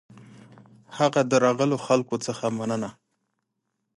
هغه د راغلو خلکو څخه مننه وکړه.